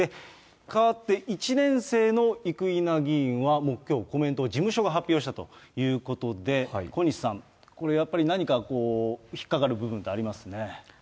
変わって１年生の生稲議員は、もうきょう、コメントを事務所が発表したということで、小西さん、これやっぱり何か引っかかる部分ってありますね。